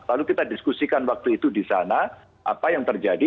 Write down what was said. lalu kita diskusikan waktu itu di sana apa yang terjadi